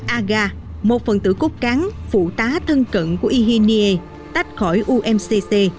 aga một phần tử cốt cán phụ tá thân cận của ihinie tách khỏi umcc